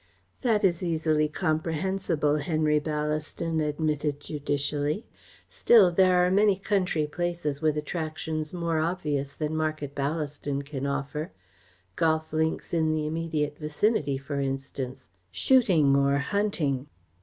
"That is easily comprehensible," Henry Ballaston admitted judicially. "Still there are many country places with attractions more obvious than Market Ballaston can offer. Golf links in the immediate vicinity, for instance; shooting or hunting."